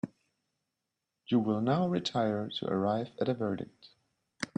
You will now retire to arrive at a verdict.